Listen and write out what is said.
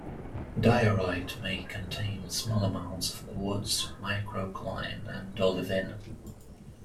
Diorite may contain small amounts of quartz, microcline, and olivine.